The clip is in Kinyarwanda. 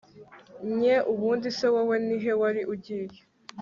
Nye ubundi se wowe nihe wari ugiye